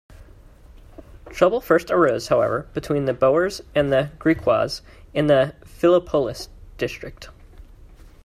Trouble first arose, however, between the Boers and the Griquas in the Philippolis district.